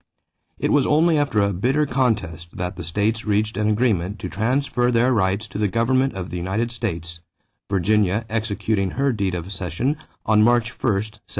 It was only after a bitter contest that the states reached an agreement to transfer their rights to the government of the United States, Virginia executing her deed of cession on March 1, 1784.